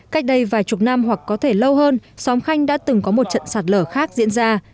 cách đây vài chục năm hoặc có thể lâu hơn xóm khanh đã từng có một trận sạt lở khác diễn ra